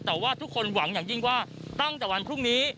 แต่ว่าทุกคนหวังอย่างยิ่งว่าตั้งแต่วันพรุ่งนี้